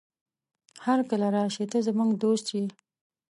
هرکله راشې، ته زموږ دوست يې.